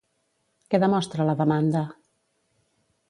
Què demostra la demanda?